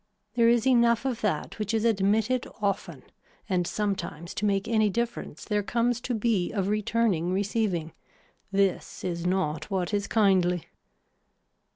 There is enough of that which is admitted often and sometimes to make any difference there comes to be of returning receiving. This is not what is kindly.